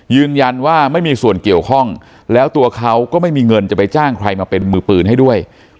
ยืนยันว่าไม่มีส่วนเกี่ยวข้องแล้วตัวเขาก็ไม่มีเงินจะไปจ้างใครมาเป็นมือปืนให้ด้วย